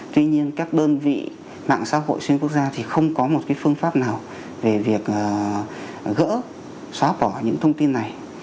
tuy nhiên các đơn vị mạng xã hội xuyên quốc gia thì không có một phương pháp nào về việc gỡ xóa bỏ những thông tin này